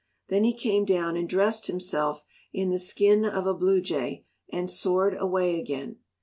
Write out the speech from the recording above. Then he came down and dressed himself in the skin of a blue jay and soared away again.